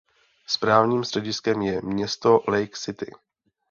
Správním střediskem je město Lake City.